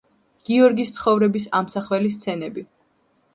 გიორგის ცხოვრების ამსახველი სცენები.